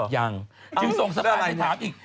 ยังจึงส่งสไตล์ไปถามอีก